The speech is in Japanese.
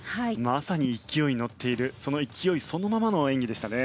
まさに勢いに乗っているその勢いそのままの演技でしたね。